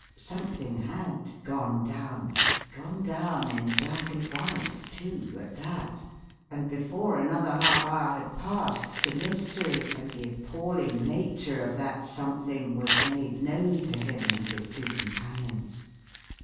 Something had "gone down" gone down in black and white, too, at that and before another half hour had passed the mystery and the appalling nature of that something was made known to him and to his two companions.